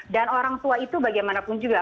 dan orang tua itu bagaimanapun juga